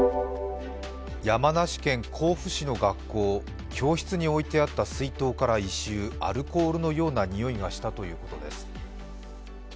山梨県甲府市の学校、教室に置いてあった教室から異臭、アルコールのようなにおいがしたということです。